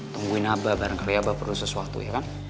tungguin abah bareng kali abah perlu sesuatu ya kan